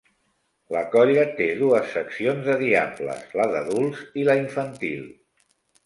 La colla té dues seccions de diables, la d'adults i la infantil.